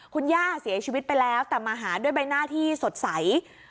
คุณย่าเสียชีวิตไปแล้วแต่มาหาด้วยใบหน้าที่สดใส